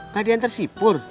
tadi yang tersipur